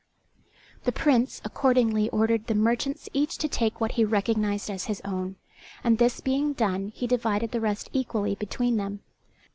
The Prince accordingly ordered the merchants each to take what he recognized as his own; and this being done he divided the rest equally between them.